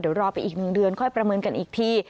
เดี๋ยวรอไปอีก๑เดือนค่อยประเมินกันอีกที